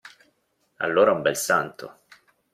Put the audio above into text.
Allora è un bel santo!